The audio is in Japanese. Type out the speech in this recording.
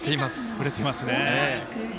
振れてますね。